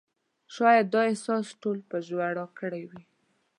شاید دا احساس ټول په ژړا کړي وو.